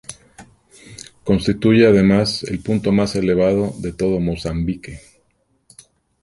Constituye además el punto más elevado de todo Mozambique.